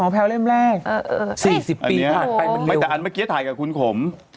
อ๋อแพรวเล่มแรกสี่สิบปีผ่านไปมันเร็วอันนี้แต่อันเมื่อกี้ถ่ายกับคุณขม